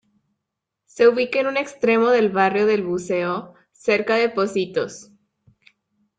Se ubica en un extremo del barrio del Buceo, cerca de Pocitos.